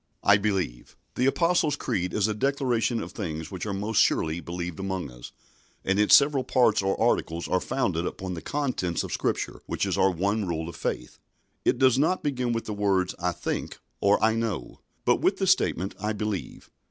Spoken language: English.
"I believe." The Apostles' Creed is a declaration of things which are most surely believed among us, and its several parts or articles are founded upon the contents of Scripture, which is our one rule of faith. It does not begin with the words I think or I know, but with the statement "I believe."